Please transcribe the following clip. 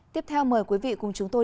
tiếp theo mời quý vị cùng chúng tôi